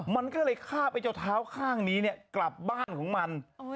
มันก็เลยคาบไอ้เจ้าเท้าข้างนี้เนี่ยกลับบ้านของมัน